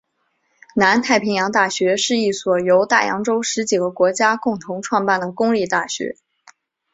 南太平洋大学是一所由大洋洲十几个国家共同创办的公立大学。